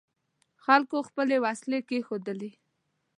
خلکو خپلې وسلې کېښودلې.